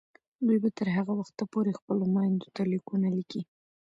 دوی به تر هغه وخته پورې خپلو میندو ته لیکونه لیکي.